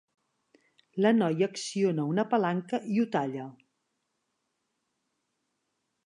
La noia acciona una palanca i ho talla.